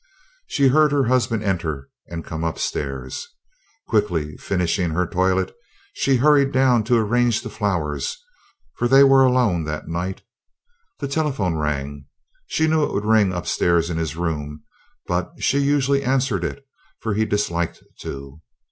She heard her husband enter and come up stairs. Quickly finishing her toilet, she hurried down to arrange the flowers, for they were alone that night. The telephone rang. She knew it would ring up stairs in his room, but she usually answered it for he disliked to.